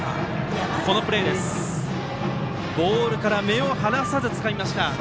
ボールから目を離さずつかみました。